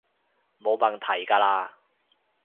冇問題㗎喇